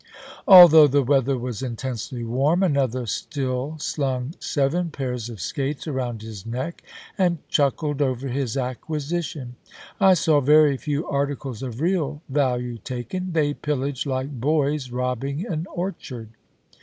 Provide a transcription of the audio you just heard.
Although the 56 ABKAHAM LINCOLN Chap. III. weather was intensely warm, another still slung seven pairs of skates around his neck and chuckled over his acquisition. I saw very few articles of real value taken — they pillaged like boys robbing an orchard.